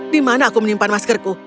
di mana aku menyimpan maskerku